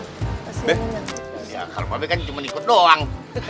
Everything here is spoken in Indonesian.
ya kalau gue kan cuma ikut doang